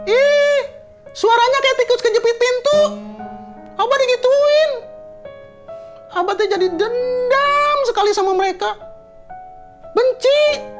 ih suaranya kayak tikus kejepit pintu abah digituin abadnya jadi dendam sekali sama mereka benci